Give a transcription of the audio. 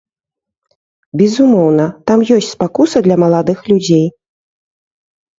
Безумоўна, там ёсць спакуса для маладых людзей.